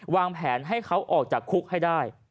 วางแผนให้เขาออกจากคุกให้ได้